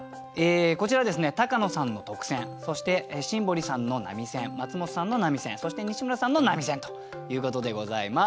こちらはですね高野さんの特選そして新堀さんの並選松本さんの並選そして西村さんの並選ということでございます。